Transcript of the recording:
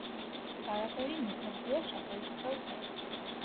তাড়াতাড়ি মুখহাত ধুইয়া সকাল সকাল খাইল।